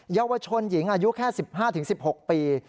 เยาวชนหญิงอายุแค่๑๕๑๖ปี